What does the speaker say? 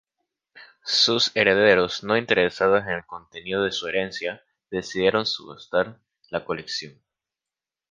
Sus herederos, no interesados en el contenido de su herencia, decidieron subastar la colección.